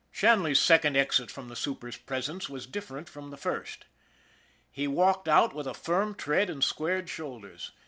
Shanley's second exit from the super's presence was different from the first. He walked out with a firm tread and squared shoulders.